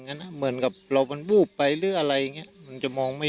ไปเองก็น่ะเหมือนกับเรามันวูบไปหรืออะไรเนี้ยมันจะมองไม่